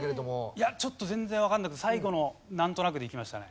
いやちょっと全然わかんなくて最後のなんとなくでいきましたね。